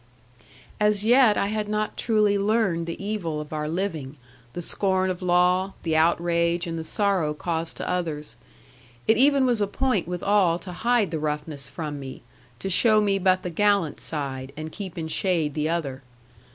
'As yet I had not truly learned the evil of our living, the scorn of law, the outrage, and the sorrow caused to others. It even was a point with all to hide the roughness from me, to show me but the gallant side, and keep in shade the other.